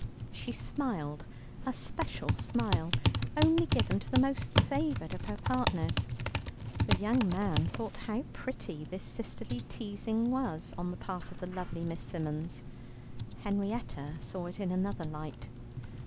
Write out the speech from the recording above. She smiled a special smile, only given to the most favoured of her partners. The young man thought how pretty this sisterly teasing was on the part of the lovely Miss Symons; Henrietta saw it in another light.